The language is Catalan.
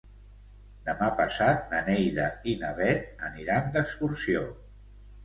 Demà passat na Neida i na Bet aniran d'excursió.